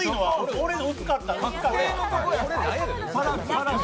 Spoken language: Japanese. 俺の薄かった。